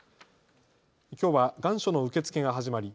きょうは願書の受け付けが始まり